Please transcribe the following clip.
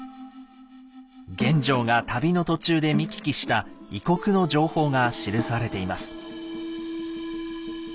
玄奘が旅の途中で見聞きした異国の情報が記されています。